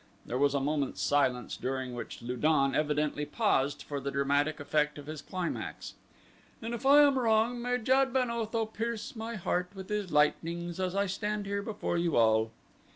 There was a moment's silence during which Lu don evidently paused for the dramatic effect of his climax. "And if I am wrong may Jad ben Otho pierce my heart with his lightnings as I stand here before you all."